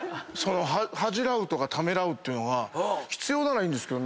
恥じらうとかためらうというのが必要ならいいんですけど。